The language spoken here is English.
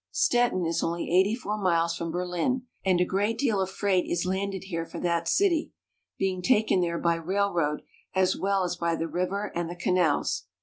Stettin is only eighty four miles from Berlin, and a great 202 GERMANY. deal of freight is landed here for that city, being taken there by railroad as well as by the river and the canals.